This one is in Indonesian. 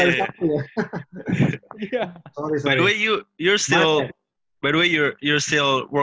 bisa berdari satu ya